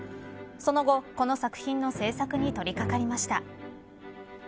その後、この作品の制作に取り掛かりました。